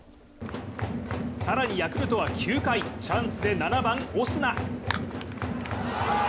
さらにヤクルトは９回チャンスで、７番・オスナ。